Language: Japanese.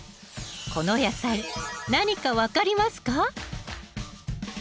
この野菜何か分かりますか？